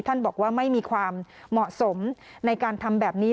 ท่านบอกว่าไม่มีความเหมาะสมในการทำแบบนี้